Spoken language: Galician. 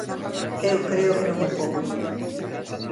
Eu creo que non é pouco.